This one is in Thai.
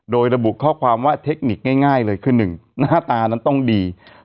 โดยระบุข้อความว่าเทคนิคง่ายเลยคือ๑หน้าตานั้นต้องดี